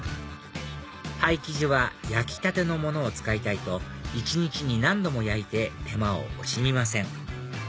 パイ生地は焼きたてのものを使いたいと一日に何度も焼いて手間を惜しみません